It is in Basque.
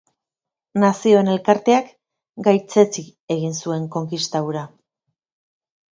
Nazioen Elkarteak gaitzetsi egin zuen konkista hura.